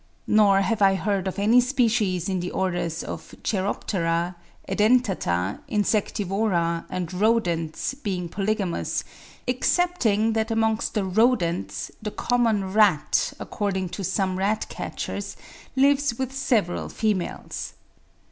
Nor have I heard of any species in the Orders of Cheiroptera, Edentata, Insectivora and Rodents being polygamous, excepting that amongst the Rodents, the common rat, according to some rat catchers, lives with several females.